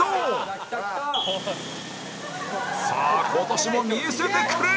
今年も見せてくれ！